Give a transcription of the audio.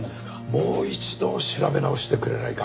もう一度調べ直してくれないか？